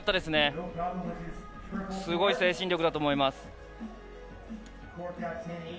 すごい精神力だと思います。